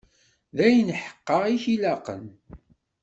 D ayen ḥeqqa i k-ilaqen.